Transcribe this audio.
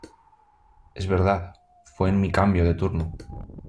es verdad, fue en mi cambio de turno.